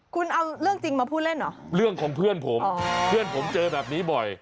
คุณเอาเรื่องจริงมาพูดเล่นเหรอเรื่องของเพื่อนผมเพื่อนผมเจอแบบนี้บ่อย